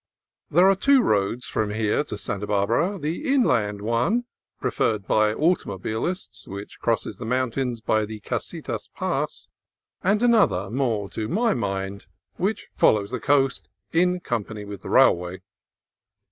There are two roads from here to Santa Barbara; the inland one, preferred by au tomobilists, which crosses the mountains by the Casitas Pass, and another, more to my mind, which follows the coast, in company with the railway.